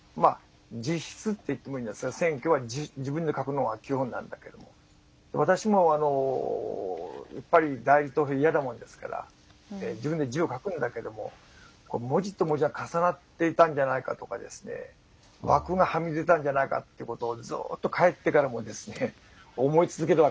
自筆って言ってもいいんですが選挙は自分で書くのが基本なんだけども私も、やっぱり代理投票は嫌なものですから自分で字を書くんだけれども文字と文字が重なっていたんじゃないかとか枠がはみ出たんじゃないかということをずっと帰ってからも思い続けるわけですよね。